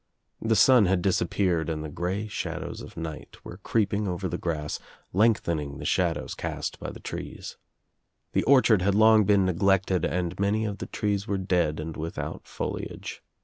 The sun had disappeared and the grey shadows of night were creeping over the grass, lengthening the shadows cast by the trees. The orchard had long been neglected and many of the trees were dead and without foliage.